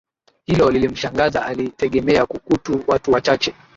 Hilo lilimshangaza alitegemea kukutu watu wachache